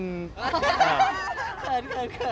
เขิน